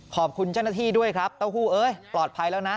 ขอบคุณเจ้าหน้าที่ด้วยครับเต้าหู้เอ้ยปลอดภัยแล้วนะ